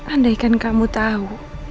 andaikan kamu tau